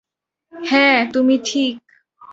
হ্যাঁ, তুমি ঠিক।